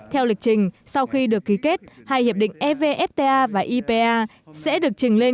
theo lịch trình sau khi được ký kết hai hiệp định evfta và ipa sẽ được trình lên